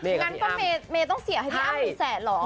เหมือนกับอเมย์ต้องเสียให้พี่อ้ำหมดละถึง๑แสนหรอ